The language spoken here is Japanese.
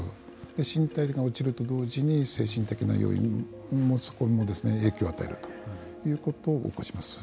身体能力が落ちると同時に精神的な要因にも影響を与えるということを起こします。